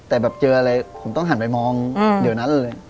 แต่แบบเจออะไรผมต้องหันไปมองเดี๋ยวนั้นเลย